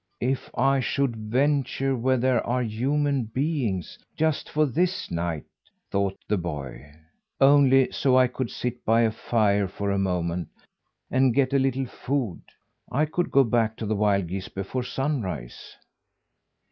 "If I should venture where there are human beings, just for this night?" thought the boy. "Only so I could sit by a fire for a moment, and get a little food. I could go back to the wild geese before sunrise."